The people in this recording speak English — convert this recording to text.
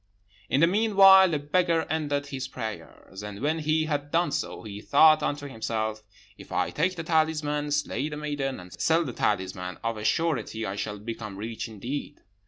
"In the meanwhile the beggar ended his prayers; and when he had done so, he thought unto himself, 'If I take the talisman, slay the maiden, and sell the talisman, of a surety I shall become rich indeed.'